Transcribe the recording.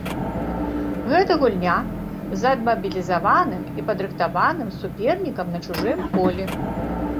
Гэта гульня з адмабілізаваным і падрыхтаваным супернікам на чужым полі.